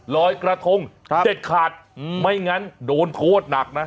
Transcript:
รอยกระทงเด็ดขาดไม่งั้นโดนโทษหนักนะ